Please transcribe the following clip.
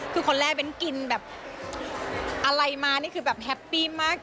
คือคนแรกเบ้นกินแบบอะไรมานี่คือแบบแฮปปี้มาก